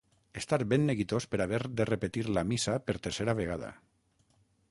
Estar ben neguitós per haver de repetir la missa per tercera vegada.